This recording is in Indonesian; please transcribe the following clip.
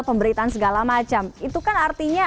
pemberitaan segala macam itu kan artinya